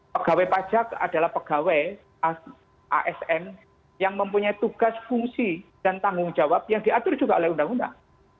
pegawai pajak adalah pegawai asn yang mempunyai tugas fungsi dan tanggung jawab yang diatur juga oleh undang undang